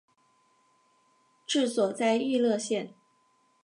治所在溢乐县。